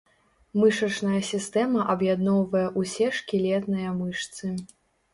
Мышачная сістэма аб'ядноўвае ўсе шкілетныя мышцы.